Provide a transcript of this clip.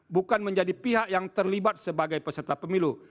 bukan menjadi pihak yang terlibat sebagai peserta pemilu